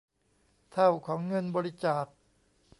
เท่าของเงินบริจาค